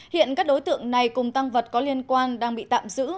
hiện các đối tượng này cùng tăng vật có liên quan đang bị tạm giữ